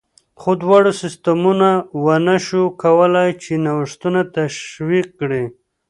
خو دواړو سیستمونو ونه شوای کولای چې نوښتونه تشویق کړي